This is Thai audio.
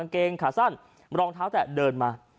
เกงขาสั้นรองเท้าแตะเดินมา